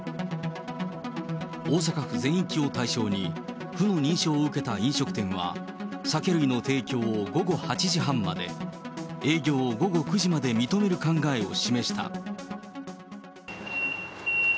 大阪府全域を対象に、府の認証を受けた飲食店は、酒類の提供を午後８時半まで、営業を午後９時まで認める考えを示した。